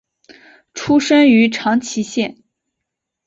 出身于长崎县。